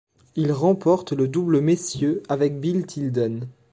Il remporte le double messieurs avec Bill Tilden.